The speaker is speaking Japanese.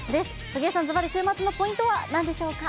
杉江さん、ずばり週末のポイントはなんでしょうか。